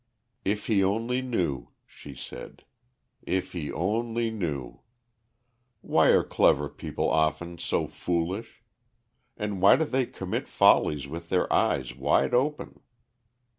"If he only knew!" she said; "if he only knew! Why are clever people often so foolish? And why do they commit follies with their eyes wide open?